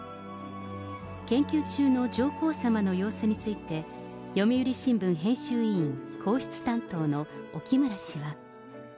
研究中の上皇さまの様子について、読売新聞編集委員皇室担当の沖村氏は。